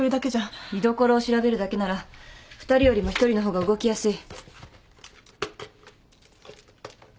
居所を調べるだけなら２人よりも一人の方が動きやすい。